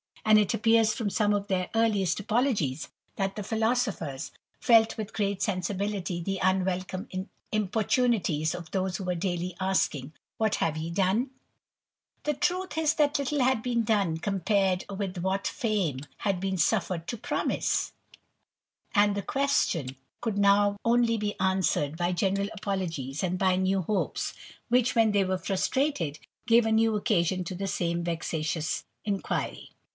And it appears from some of their earliest apologies, that the philosophers felt with great sensibility the unwelcome ^^portunities of those who were daily asking, " What have redone?" * The truth is, that little had been done compared with '^hat fame had been suffered to promise ; and the question ^ould only be answered by general apologies, and by *^^w hopes, which, when they were frustrated, gave a ^ew occasion to the same vexatious inquiry.